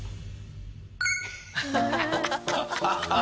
ハハハハハ！